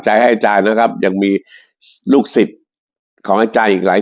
ให้อาจารย์นะครับยังมีลูกศิษย์ของอาจารย์อีกหลาย